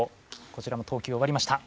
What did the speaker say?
こちらも投球終わりました。